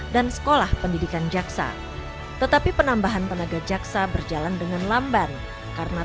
dan sekolah pendidikan jaksa tetapi penambahan tenaga jaksa berjalan dengan lamban karena